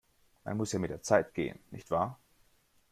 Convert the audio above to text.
Man muss ja mit der Zeit gehen, nicht wahr?